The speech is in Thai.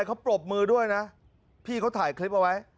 เขาปรบมือด้วยนะพี่เขาถ่ายคลิปเอาไว้